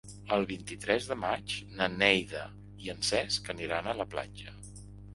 El vint-i-tres de maig na Neida i en Cesc aniran a la platja.